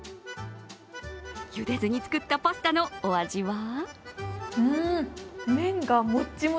茹でずに作ったパスタのお味は？